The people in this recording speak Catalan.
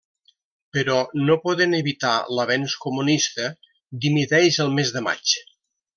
Però no podent evitar l'avenç comunista dimiteix el mes de maig.